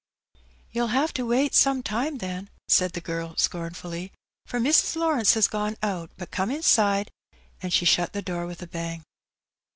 *' ''You'll have to wait some time, then," said the girl, scornfully, "for Mrs. Lawrence has gone out; but come in side," and she shut the door with a bang.